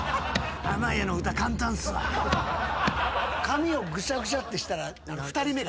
髪をぐしゃぐしゃってしたら。